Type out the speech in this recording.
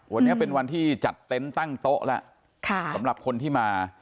วันนี้เป็นวันที่จัดเต็นต์ตั้งโต๊ะแล้วสำหรับคนที่มา